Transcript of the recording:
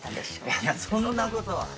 いやそんなことは。